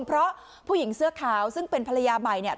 เพราะผู้หญิงเสื้อขาวซึ่งเป็นภรรยาใหม่เนี่ย